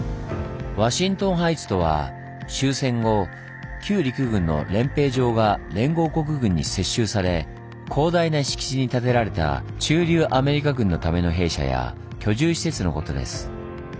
ワシントンハイツとは終戦後旧陸軍の練兵場が連合国軍に接収され広大な敷地に建てられた駐留アメリカ軍のための兵舎や居住施設のことです。